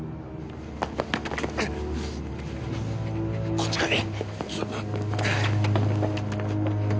こっち来い！